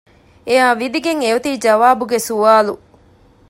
އެއާ ވިދިގެން އެ އޮތީ އެ ޖަވާބުގެ ސުވާލު